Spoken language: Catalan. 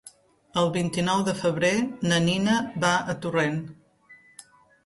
El vint-i-nou de febrer na Nina va a Torrent.